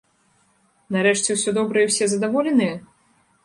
Нарэшце ўсё добра і ўсе задаволеныя?